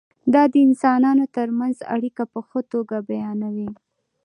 دا د انسانانو ترمنځ اړیکه په ښه توګه بیانوي.